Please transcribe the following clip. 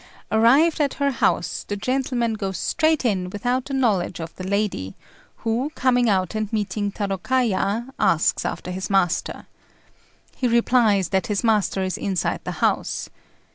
Arrived at her house, the gentleman goes straight in without the knowledge of the lady, who, coming out and meeting Tarôkaja, asks after his master. He replies that his master is inside the house.